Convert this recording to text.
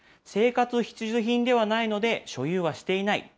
生活必需品ではないので所有はしていない。